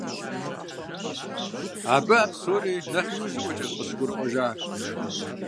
Абы а псори нэхъ иужьыӀуэкӀэщ къыщыгурыӀуэжар.